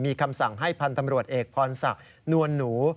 มีคำสั่งให้พันธ์ตำรวจเอกพรศักดิ์นวลหนู